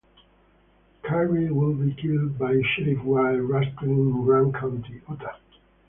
Curry would be killed by a Sheriff while rustling in Grand County, Utah.